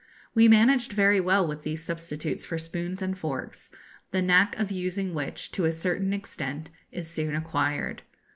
We managed very well with these substitutes for spoons and forks, the knack of using which, to a certain extent, is soon acquired.